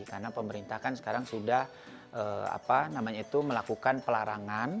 karena pemerintah kan sekarang sudah melakukan pelarangan